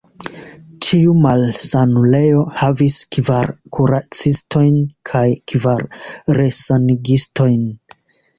Ĉiu malsanulejo havis kvar kuracistojn kaj kvar resanigistojn.